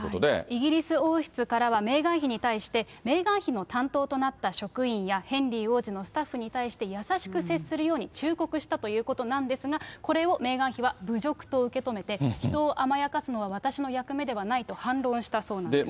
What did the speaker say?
イギリス王室からはメーガン妃に対して、メーガン妃の担当となった職員やヘンリー王子のスタッフに対して、優しく接するように忠告したということなんですが、これをメーガン妃は侮辱と受け止めて、人を甘やかすのは私の役目ではないと反論したそうなんです。